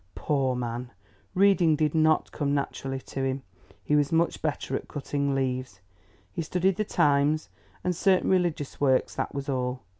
Poor man, reading did not come naturally to him; he was much better at cutting leaves. He studied the Times and certain religious works, that was all.